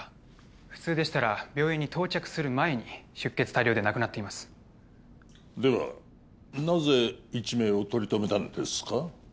普通でしたら病院に到着する前に出血多量で亡くなっていますではなぜ一命を取り留めたのですか？